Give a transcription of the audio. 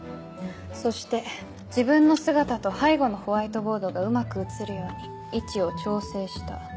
そして自分の姿と背後のホワイトボードがうまく映るように位置を調整した。